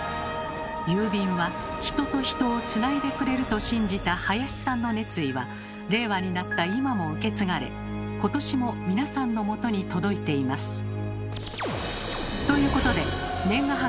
「郵便は人と人をつないでくれる」と信じた林さんの熱意は令和になった今も受け継がれ今年も皆さんのもとに届いています。